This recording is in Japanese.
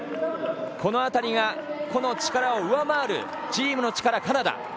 この辺りが個の力を上回るチームの力、オランダ。